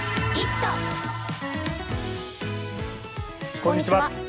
こんにちは。